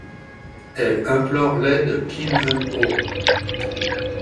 Elle implore l'aide de Kim Eun-oh.